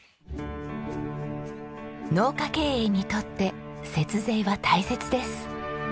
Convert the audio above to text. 農家経営にとって節税は大切です。